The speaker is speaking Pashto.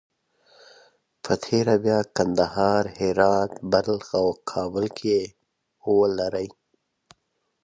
په تېره بیا کندهار، هرات، بلخ او کابل کې یې ولري.